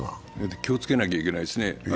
気をつけなきゃいけないですね。